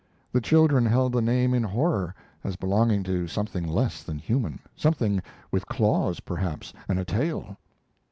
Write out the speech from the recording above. The children held the name in horror, as belonging to something less than human; something with claws, perhaps, and a tail.